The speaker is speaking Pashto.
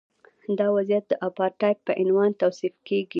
دا وضعیت د اپارټایډ په عنوان توصیف کیږي.